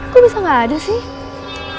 kok bisa gak ada sih